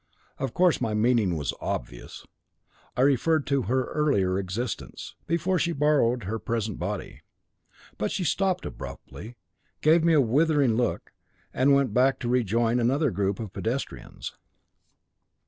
Of course, my meaning was obvious; I referred to her earlier existence, before she borrowed her present body. But she stopped abruptly, gave me a withering look, and went back to rejoin another group of pedestrians.